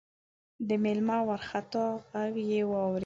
د مېلمه وارخطا غږ يې واورېد: